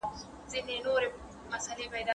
د حسد پرځای خوشحالۍ ښوول غوره دي.